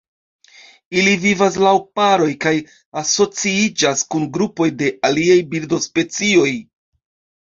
Ili vivas laŭ paroj kaj asociiĝas kun grupoj de aliaj birdospecioj.